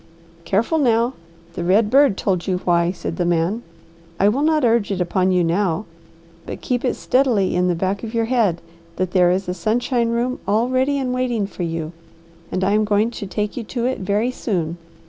"Careful now! The red bird told you why!" said the man. "I will not urge it upon you now, but keep it steadily in the back of your head that there is a sunshine room all ready and waiting for you, and I am going to take you to it very soon.